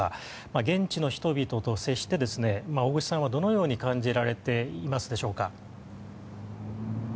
現地の人々と接して、大越さんはどのように感じられていますでしょうか。